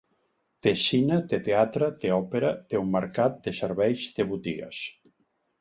Té cine, té teatre, té òpera, té un mercat, té serveis, té botigues.